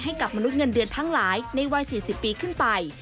กับมนุษย์เงินเดือนทั้งหลายในวัย๔๐ปีขึ้นไป